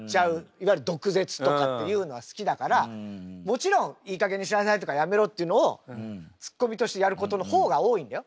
いわゆる毒舌とかっていうのは好きだからもちろん「いいかげんにしなさい」とか「やめろ」っていうのをツッコミとしてやることの方が多いんだよ？